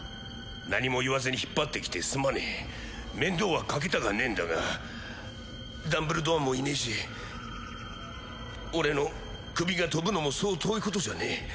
何も言わずに引っ張ってきてすまねえ面倒はかけたかねえんだがダンブルドアもいねえし俺のクビが飛ぶのもそう遠いことじゃねえ